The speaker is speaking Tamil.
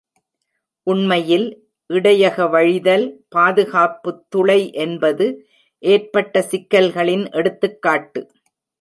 உண்மையில், இடையக வழிதல் பாதுகாப்பு துளை என்பது ஏற்பட்ட சிக்கல்களின் எடுத்துக்காட்டு.